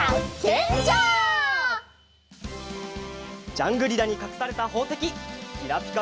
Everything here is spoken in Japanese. ジャングリラにかくされたほうせききらぴか